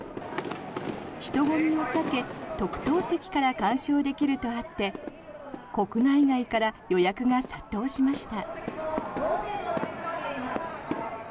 人混みを避け特等席から鑑賞できるとあって国内外から予約が殺到しました。